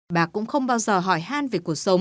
bà cũng không bao giờ hỏi han về cuộc sống